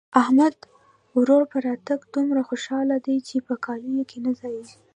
احمد د ورور په راتګ دومره خوشاله دی چې په کالو کې نه ځايېږي.